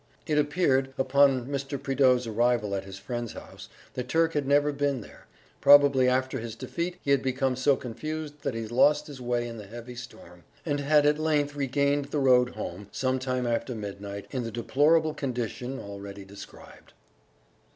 It appeared, upon Mr. Prideaux's arrival at his friend's house, that Turk had never been there; probably after his defeat he had become so confused that he lost his way in the heavy storm, and had at length regained the road home some time after midnight, in the deplorable condition already described.